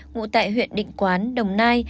ngụ tại huyện định quán đồng nai